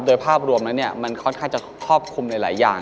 โดยภาพรวมนั้นมันค่อนข้างจะครอบคลุมหลายอย่าง